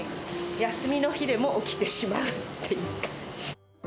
休みの日でも起きてしまうっていう感じ。